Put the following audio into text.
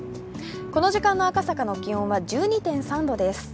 この時間の赤坂の気温は１２．３度です。